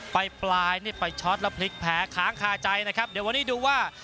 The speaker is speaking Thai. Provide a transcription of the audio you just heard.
ปลายนี่ไปช็อตแล้วพลิกแผลค้างคาใจนะครับเดี๋ยววันนี้ดูว่า